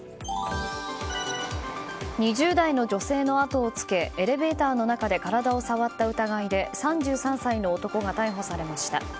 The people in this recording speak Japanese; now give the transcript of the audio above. ２０代の女性のあとをつけエレベーターの中で体を触った疑いで３３歳の男が逮捕されました。